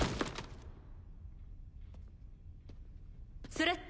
スレッタ。